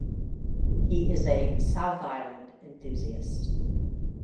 He is a 'South Island enthusiast'.